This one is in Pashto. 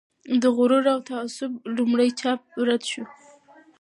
د "غرور او تعصب" لومړنی چاپ رد شو.